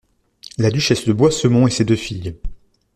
La duchesse de Boisemont et ses deux filles.